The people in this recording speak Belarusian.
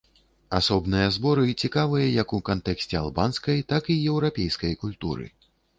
Асобныя зборы цікавыя як у кантэксце албанскай, так і еўрапейскай культуры.